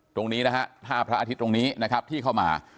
ตรงนี้นะฮะท่าพระอาทิตย์ตรงนี้นะครับที่เข้ามา